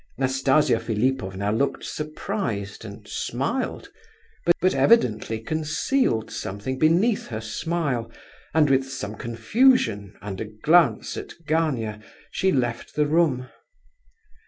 Nastasia Philipovna looked surprised, and smiled, but evidently concealed something beneath her smile and with some confusion and a glance at Gania she left the room.